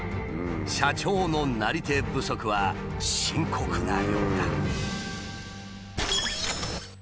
社長のなり手不足は深刻なようだ。